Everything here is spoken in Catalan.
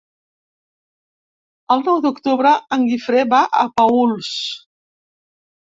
El nou d'octubre en Guifré va a Paüls.